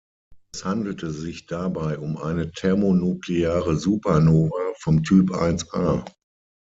Es handelte sich dabei um eine thermonukleare Supernova vom Typ Ia.